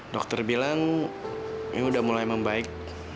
dokter bilang ini udah mulai membaik